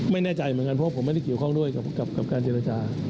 ไม่แน่ใจเหมือนกันเพราะผมไม่ได้เกี่ยวข้องด้วยกับการเจรจา